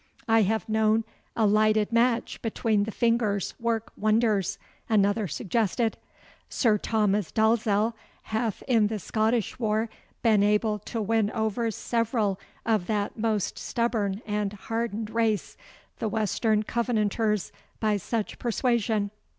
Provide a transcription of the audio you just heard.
'I have known a lighted match between the fingers work wonders,' another suggested. 'Sir Thomas Dalzell hath in the Scottish war been able to win over several of that most stubborn and hardened race, the Western Covenanters, by such persuasion.